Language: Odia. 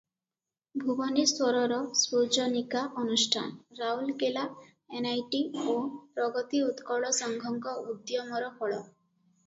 ଭୁବନେଶ୍ୱରର ସୃଜନିକା ଅନୁଷ୍ଠାନ, ରାଉରକେଲା ଏନଆଇଟି ଓ ପ୍ରଗତି ଉତ୍କଳ ସଂଘଙ୍କ ଉଦ୍ୟମର ଫଳ ।